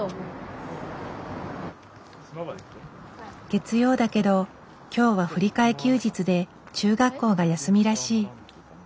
月曜だけど今日は振り替え休日で中学校が休みらしい。